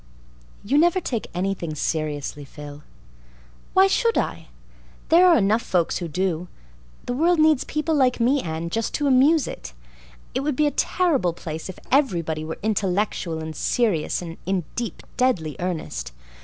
"You never take anything seriously, Phil." "Why should I? There are enough folks who do. The world needs people like me, Anne, just to amuse it. It would be a terrible place if everybody were intellectual and serious and in deep, deadly earnest.